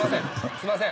すいません。